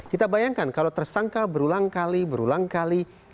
kita bayangkan kalau tersangka berulang kali berulang kali